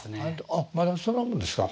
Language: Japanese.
あまだそんなもんですか。